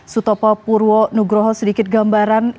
sudah sedikit gambaran